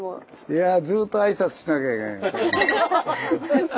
いやぁずっと挨拶しなきゃいけないから。